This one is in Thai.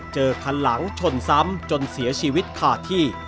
คันหลังชนซ้ำจนเสียชีวิตขาดที่